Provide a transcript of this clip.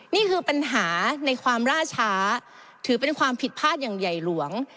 นี่คือปัญหาในความล่าช้าถือเป็นความผิดพลาดอย่างใหญ่หลวง